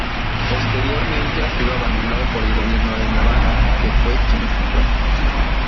Posteriormente ha sido abandonado por el gobierno de navarra que fue quien lo compró.